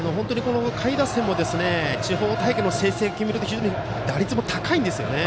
下位打線も地方大会の成績を見ると打率も高いんですよね。